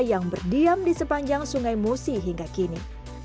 yang berdiam di sepanjang sungai musi hingga kini